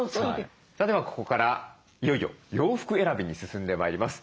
さあではここからいよいよ洋服選びに進んでまいります。